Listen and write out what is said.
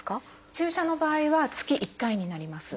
注射の場合は月１回になります。